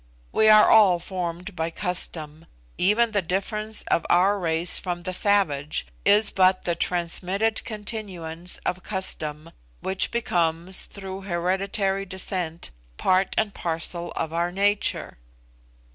We are all formed by custom even the difference of our race from the savage is but the transmitted continuance of custom, which becomes, through hereditary descent, part and parcel of our nature.